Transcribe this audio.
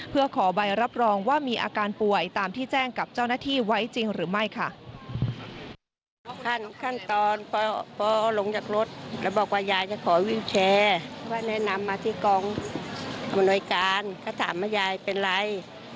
เพื่อขอใบรับรองว่ามีอาการป่วยตามที่แจ้งกับเจ้าหน้าที่ไว้จริงหรือไม่ค่ะ